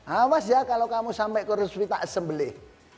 awas ya kalau kamu sampai ke hospital sembelih